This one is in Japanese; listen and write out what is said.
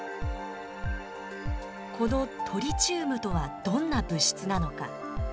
このトリチウムとはどんな物質なのか。